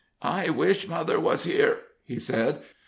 "I wish mother was here!" he said.